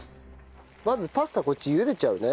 まずパスタこっち茹でちゃうね。